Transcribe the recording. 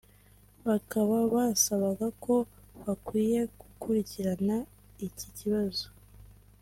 bakaba basabaga ko bakwiye gukurikirana iki kibazo